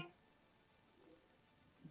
vô cảm thiếu tầm nhìn